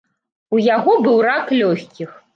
У яго быў рак лёгкіх.